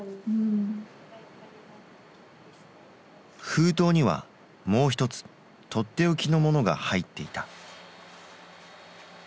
封筒にはもう一つとっておきのものが入っていた。